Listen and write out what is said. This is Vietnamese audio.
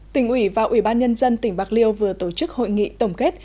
tỉnh ủy và ủy ban nhân dân tỉnh bạc liêu vừa tổ chức hội nghị tổng kết